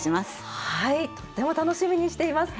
はいとっても楽しみにしています。